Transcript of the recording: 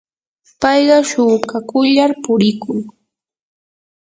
payqa shuukakullar purikun.